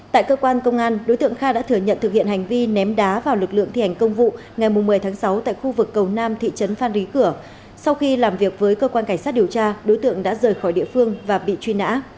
tại cơ quan công an đối tượng kha đã thừa nhận thực hiện hành vi ném đá vào lực lượng thi hành công vụ ngày một mươi tháng sáu tại khu vực cầu nam thị trấn phan rí cửa sau khi làm việc với cơ quan cảnh sát điều tra đối tượng đã rời khỏi địa phương và bị truy nã